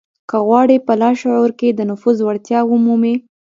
که غواړئ په لاشعور کې د نفوذ وړتيا ومومئ.